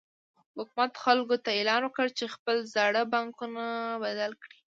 حکومت خلکو ته اعلان وکړ چې خپل زاړه بانکنوټونه بدل کړي.